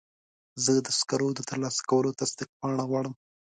زه د سکرو د ترلاسه کولو تصدیق پاڼه غواړم.